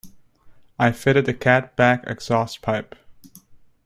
I fitted the cat back exhaust pipe.